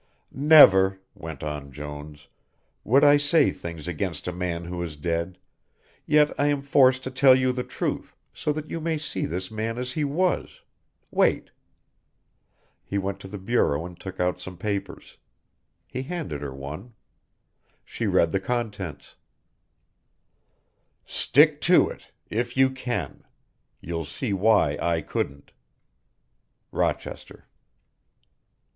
"Never," went on Jones, "would I say things against a man who is dead, yet I am forced to tell you the truth, so that you may see this man as he was wait." He went to the bureau and took out some papers. He handed her one. She read the contents: "Stick to it if you can. You'll see why I couldn't. "ROCHESTER."